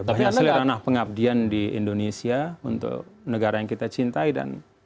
banyak sekali ranah pengabdian di indonesia untuk negara yang kita cintai dan